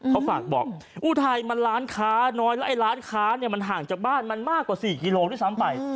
เขาฝากบอกอุทัยมันร้านค้าน้อยแล้วไอ้ร้านค้าเนี่ยมันห่างจากบ้านมันมากกว่า๔กิโลด้วยซ้ำไป